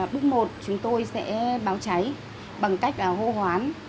bước một chúng tôi sẽ báo cháy bằng cách hô hoán